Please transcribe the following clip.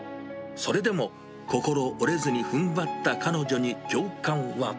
それでも、心折れずにふんばった彼女に、教官は。